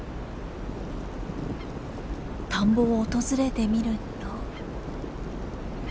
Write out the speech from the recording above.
田んぼを訪れてみると。